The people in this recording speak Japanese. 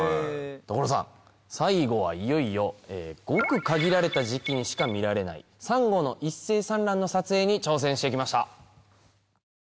所さん最後はいよいよごく限られた時期にしか見られないサンゴの一斉産卵の撮影に挑戦して来ました。